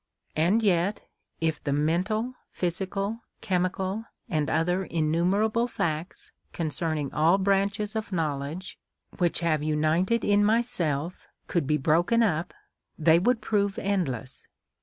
And yet if the mental, physical, chemical, and other innumerable facts concerning all branches of knowledge which have united in myself could be broken up, they would prove endless.